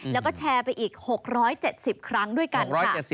แล้วก็แชร์ไปอีก๖๗๐ครั้งด้วยกันค่ะ